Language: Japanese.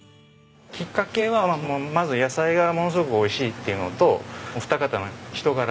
きっかけはまず野菜がものすごく美味しいっていうのとお二方の人柄。